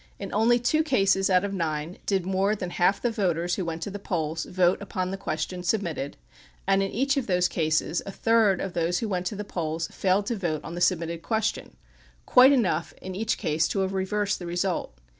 In only two cases out of nine did more than half of the voters who went to the polls vote upon the question submitted, and in each of those cases a third of those who went to the polls failed to vote on the submitted question, quite enough in each case to have reversed the result.